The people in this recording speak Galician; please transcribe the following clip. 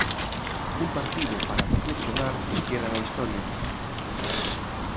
Un partido para reflexionar que queda na historia.